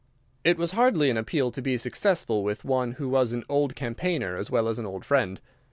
It was hardly an appeal to be successful with one who was an old campaigner as well as an old friend.